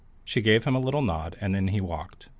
She gave him a little nod, and in he walked.